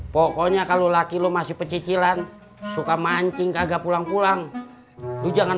pokoknya kalau laki lu masih pecicilan suka mancing kagak pulang pulang lu jangan